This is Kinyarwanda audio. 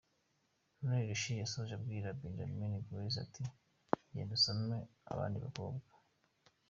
Lionel Richie yasoje abwira Benjamin Glaize ati “genda usome abandi bakobwa”.